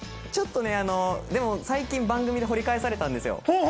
でも最近番組で掘り返されたんですよ。